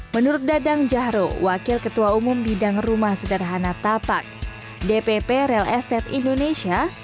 menurut dadang jahro wakil ketua umum bidang rumah sederhana tapak dpp real estate indonesia